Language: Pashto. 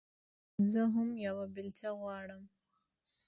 زه هم يوه بېلچه غواړم.